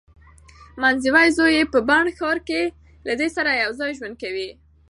منځوی زوی یې په بن ښار کې له دې سره یوځای ژوند کوي.